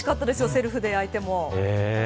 セルフで焼いても。